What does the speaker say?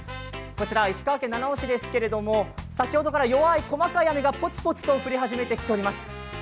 こちらは石川県七尾市ですけれども、先ほどから弱い細かい雨がポツポツと降り始めてきています。